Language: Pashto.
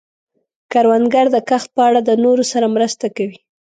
کروندګر د کښت په اړه د نورو سره مرسته کوي